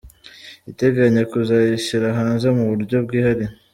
Ateganya kuzayishyira hanze mu buryo bwihariye.